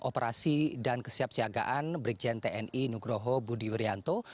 operasi dan kesiap siagaan brikjen tni nugroho budiwaryanto